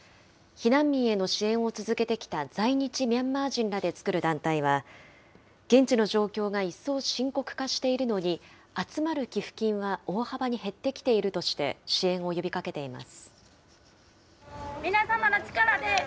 避難民への支援を続けてきた在日ミャンマー人らで作る団体は、現地の状況が一層深刻化しているのに、集まる寄付金は大幅に減ってきているとして、支援を呼びかけています。